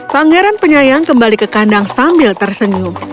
pangeran penyayang kembali ke kandang sambil tersenyum